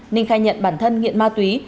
ninh khai nhận bản thân nghiện ma túy